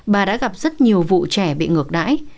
bà đã gặp rất nhiều vụ trẻ bị ngược đãi